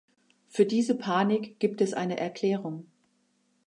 Für diese Panik gibt es eine Erklärung.